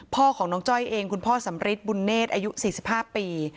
พ่อของน้องจ้อยเองคุณพ่อสำริสบุญเนตอายุสี่สิบห้าปี